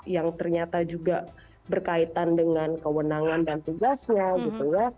yang ternyata juga berkaitan dengan kewenangan dan tugasnya gitu ya